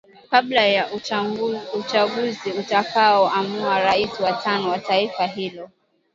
Kabla ya uchaguzi utakao amua rais wa tano wa taifa hilo.